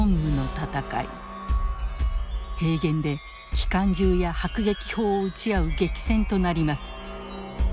平原で機関銃や迫撃砲を撃ち合う激戦となります。